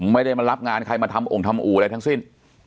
ไม่ได้มารับงานใครมาทำองค์ทำอู่อะไรทั้งสิ้น